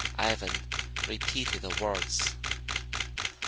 Ivan, repeated the words.